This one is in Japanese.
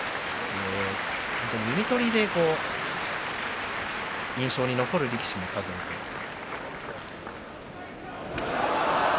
弓取りで印象に残る力士も数多くいます。